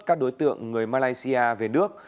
các đối tượng người malaysia về nước